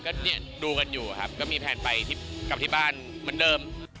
ก็เนี่ยดูกันอยู่ครับก็มีแพลนไปกลับที่บ้านเหมือนเดิม